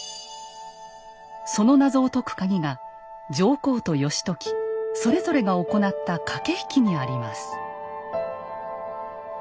その謎を解くカギが上皇と義時それぞれが行った駆け引きにあります。